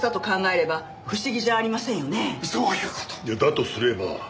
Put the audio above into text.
とすれば